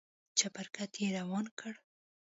چپرکټ يې روان کړ.